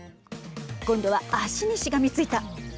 今度は足にしがみついた。